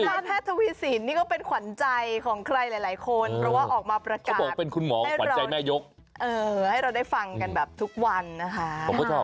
ลิศนาแพทย์ทวีสินนี่ก็เป็นขวัญใจของใครหลายคนเพราะว่าออกมาประกาศให้เราได้ฟังกันแบบทุกวันนะคะ